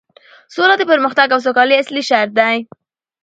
سوله د پرمختګ او سوکالۍ اصلي شرط دی